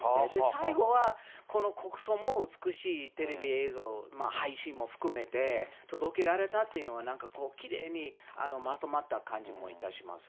最後は、この国葬も、美しいテレビ映像、配信も含めて、届けられたというのは、なんか、きれいにまとまった感じもいたします。